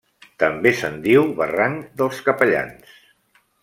També se'n diu Barranc dels Capellans.